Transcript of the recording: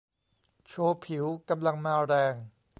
โชว์ผิวกำลังมาแรง